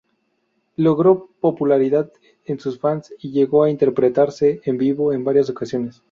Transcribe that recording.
Logro popularidad en sus fans, y llegó a interpretarse en vivo en varias ocasiones.